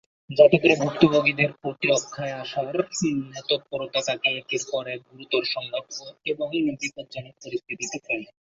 যাতে করে ভুক্তভোগীদের প্রতিরক্ষায় আসার তৎপরতা তাকে একের পর এক গুরুতর সংঘাত এবং বিপজ্জনক পরিস্থিতিতে ফেলে।